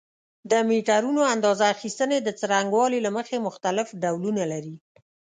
د میټرونو اندازه اخیستنې د څرنګوالي له مخې مختلف ډولونه لري.